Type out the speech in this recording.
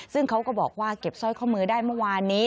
ซึ่งเขาก็บอกว่าเก็บสร้อยข้อมือได้เมื่อวานนี้